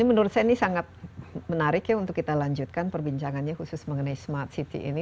ini menurut saya ini sangat menarik ya untuk kita lanjutkan perbincangannya khusus mengenai smart city ini